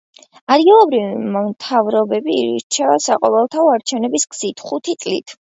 ადგილობრივი მთავრობები ირჩევა საყოველთაო არჩევნების გზით, ხუთი წლით.